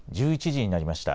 １１時になりました。